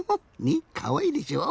ねっかわいいでしょ？